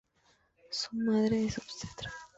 Su madre es obstetra.